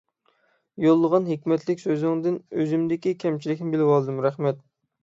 يوللىغان ھېكمەتلىك سۆزىڭىزدىن ئۆزۈمدىكى كەمچىلىكنى بىلىۋالدىم، رەھمەت.